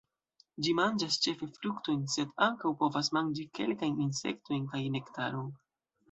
Ĝi manĝas ĉefe fruktojn, sed ankaŭ povas manĝi kelkajn insektojn kaj nektaron.